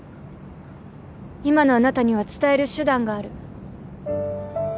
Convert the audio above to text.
今のあなたには伝える手段がある。